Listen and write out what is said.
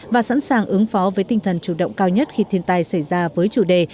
và sẵn sàng ứng phó với tinh thần chủ động cao nhất khi thiên tai xảy ra với chủ đề